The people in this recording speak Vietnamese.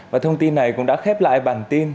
và thông tin này cũng đã khép lại bản tin